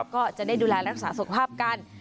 ก็จะได้ดูแลรักษาสุขภาพกัน